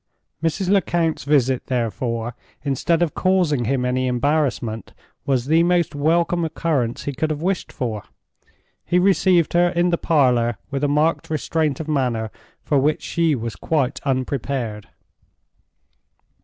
Mrs. Lecount's visit, therefore, instead of causing him any embarrassment, was the most welcome occurrence he could have wished for. He received her in the parlor with a marked restraint of manner for which she was quite unprepared.